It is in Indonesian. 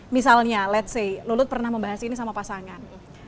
misalnya let s say lulut pernah membahas ini sama pasangan